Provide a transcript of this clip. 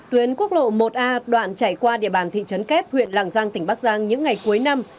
tuyến quốc lộ một a đoạn chảy qua địa bàn thị trấn kép huyện lạng giang tỉnh bắc giang những ngày cuối năm